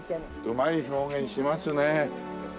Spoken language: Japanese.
うまい表現しますね。